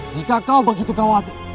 jika kau begitu khawatir